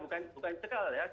bukan cekal ya